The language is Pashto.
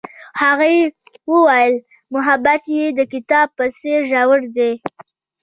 هغې وویل محبت یې د کتاب په څېر ژور دی.